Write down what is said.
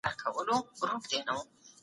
د ځمکې پر مخ د اوبو دورې ته پام وکړئ.